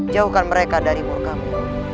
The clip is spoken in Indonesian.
jauhkan mereka dari murkamu